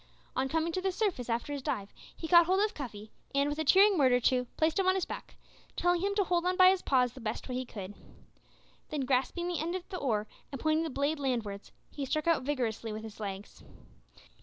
On coming to the surface after his dive he caught hold of Cuffy, and, with a cheering word or two, placed him on his back, telling him to hold on by his paws the best way he could. Then grasping the end of the oar, and pointing the blade land wards, he struck out vigorously with his legs.